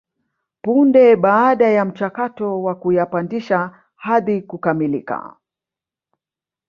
Punde baada ya mchakato wa kuyapandisha hadhi kukamilika